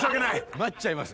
待っちゃいます？